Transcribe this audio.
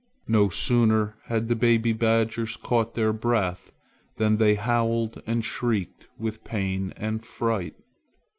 No sooner had the baby badgers caught their breath than they howled and shrieked with pain and fright.